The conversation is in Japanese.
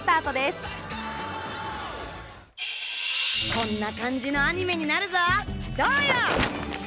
こんな感じのアニメになるぞ、どうよ！